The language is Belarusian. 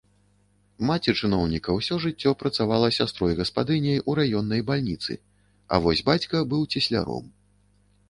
Маці чыноўніка ўсё жыццё працавала сястрой-гаспадыняй у раённай бальніцы, а вось бацька быў цесляром.